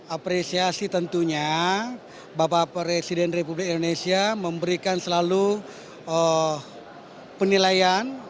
apresiasi tentunya bapak presiden republik indonesia memberikan selalu penilaian